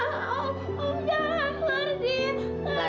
ya om om jangan bu li